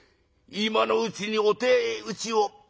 今のうちにお手討ちを」。